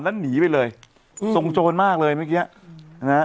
แล้วหนีไปเลยอืมทรงโจรมากเลยเมื่อกี้นะฮะ